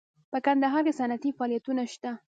په کندهار کې صنعتي فعالیتونه شته